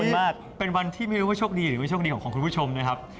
มากเป็นวันที่ไม่รู้ว่าโชคดีหรือไม่โชคดีของคุณผู้ชมนะครับ